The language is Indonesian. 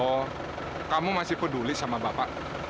oh kamu masih peduli sama bapak